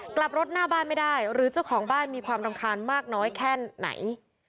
กลับรถหน้าบ้านไม่ได้หรือเจ้าของบ้านมีความรำคาญมากน้อยแค่ไหน